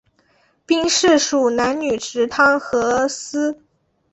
兵事属南女直汤河司。